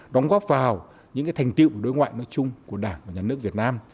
đóng góp vào những thành tiệu của đối ngoại nói chung của đảng và nhà nước việt nam